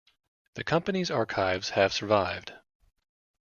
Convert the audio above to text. The company's archives have survived.